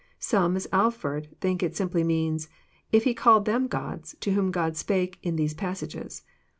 "— Some, as Alford, think it simply means, " if He called them gods, to whom God spake In these passages."